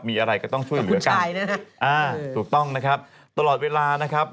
มีอะไรก็ต้องช่วยเหลือกันตรงคุณชายนะครับตรงต้องนะครับตลอดเวลานะครับ